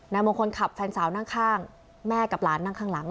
มงคลขับแฟนสาวนั่งข้างแม่กับหลานนั่งข้างหลัง